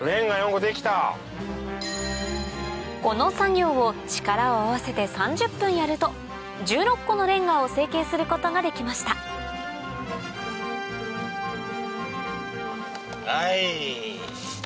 この作業を力を合わせて３０分やると１６個のレンガを成型することができましたはい。